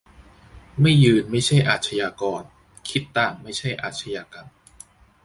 "ไม่ยืนไม่ใช่อาชญากร คิดต่างไม่ใช่อาชญากรรม"